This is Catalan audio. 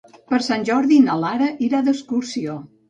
Per Sant Jordi na Lara irà d'excursió.